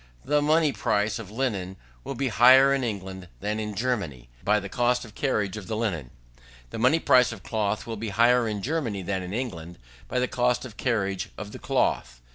The money price of linen will be higher in England than in Germany, by the cost of carriage of the linen. The money price of cloth will be higher in Germany than in England, by the cost of carriage of the cloth.